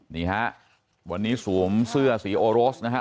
นี่ฮะวันนี้สวมเสื้อสีโอโรสนะฮะ